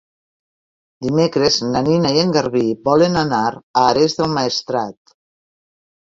Dimecres na Nina i en Garbí volen anar a Ares del Maestrat.